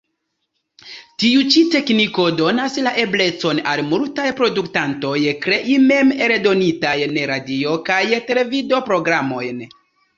Tiu ĉi tekniko donas la eblecon al multaj produktantoj krei mem-eldonitajn radio- kaj televido-programojn.